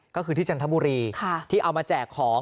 ก็คือที่จันทบุรีที่เอามาแจกของ